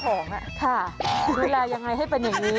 ค่ะดูแลอย่างไรให้เป็นอย่างนี้